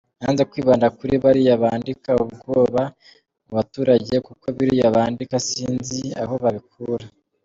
Nanze kwibanda kuri bariya bandika ‘Ubwoba mu baturage’ kuko biriya bandika sinzi aho babikurua.